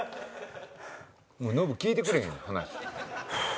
もうノブ聞いてくれんやん話。